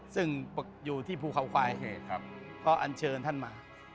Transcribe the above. ซึ่งอยู่ที่ภูเขาควายก็อัญเชิญท่านมา